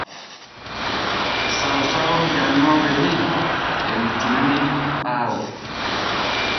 Sausauru janŋooɓe men e wittinamen ɓaawo.